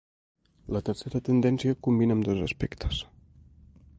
La tercera tendència combina ambdós aspectes.